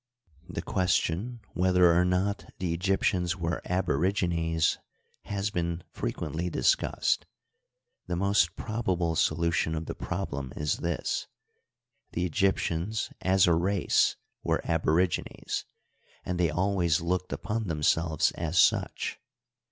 The question whether or not the Egyptians were abo rigines has been frequently discussed. The most proba ble solution of the problem is this : The Egyptians as a race were aborigines, and they always looked upon them selves as such.